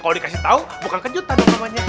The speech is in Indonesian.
kalo dikasih tau bukan kejutan dong namanya